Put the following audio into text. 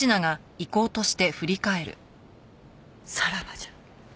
さらばじゃ。